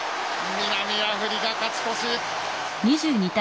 南アフリカ勝ち越し。